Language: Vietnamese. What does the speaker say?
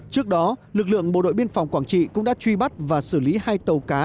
trước đó lực lượng bộ đội biên phòng quảng trị cũng đã truy bắt và xử lý hai tàu cá